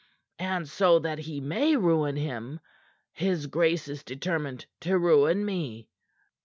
And so that he may ruin him, his grace is determined to ruin me.